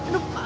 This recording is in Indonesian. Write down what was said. nah nah nah